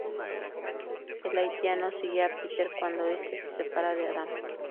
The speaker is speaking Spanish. El Haitiano sigue a Peter, cuando este se separa de Adam.